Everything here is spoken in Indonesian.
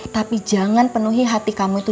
tapi jangan penuhi hati kamu itu